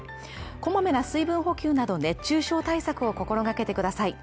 こまめな水分補給など熱中症対策を心がけてください。